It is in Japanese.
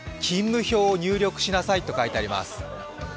勤務表を入力しなさいと書いてあります。